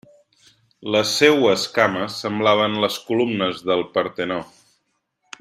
Les seues cames semblaven les columnes del Partenó.